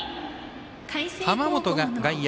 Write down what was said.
濱本が外野。